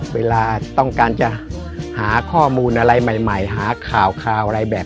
เวลาต้องการจะหาข้อมูลอะไรใหม่หาข่าวอะไรแบบ